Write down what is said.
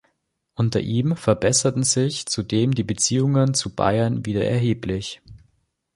Unter ihm verbesserten sich zudem die Beziehungen zu Bayern wieder erheblich.